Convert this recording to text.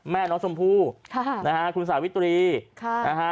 แม่น้องชมพู่ค่ะนะฮะคุณสาวิตรีค่ะนะฮะ